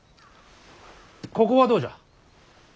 ここはどうじゃ。